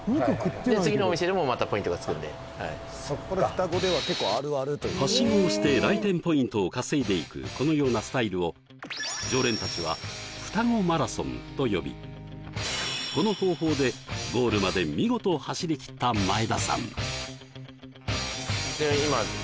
で次のお店でもまたポイントがつくんでそっかはしごをして来店ポイントを稼いでいくこのようなスタイルを常連達は「ふたごマラソン」と呼びこの方法でゴールまで見事走りきった前田さん